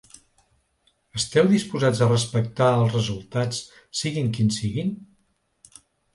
Esteu disposats a respectar els resultats, siguin quins siguin?